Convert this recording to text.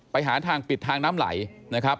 ไปหาทางปิดทางน้ำไหลนะครับ